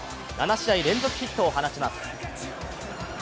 ７試合連続ヒットを放ちます。